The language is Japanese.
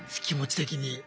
気持ち的に。